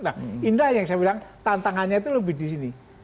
nah indah yang saya bilang tantangannya itu lebih di sini